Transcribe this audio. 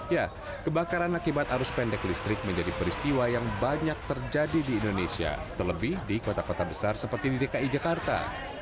ya kebakaran akibat arus pendek listrik menjadi peristiwa yang banyak terjadi di indonesia terlebih di kota kota besar seperti di dki jakarta